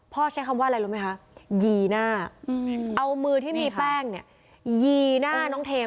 ใช้คำว่าอะไรรู้ไหมคะยีหน้าเอามือที่มีแป้งเนี่ยยีหน้าน้องเทม